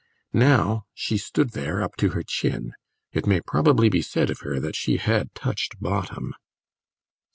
Now she stood there up to her chin; it may probably be said of her that she had touched bottom.